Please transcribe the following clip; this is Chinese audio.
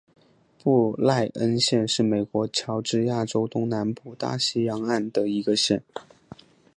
布赖恩县是美国乔治亚州东南部大西洋岸的一个县。